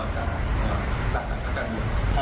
จากหลักอาจารย์มือ